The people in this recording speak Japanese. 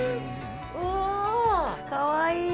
うわぁかわいい。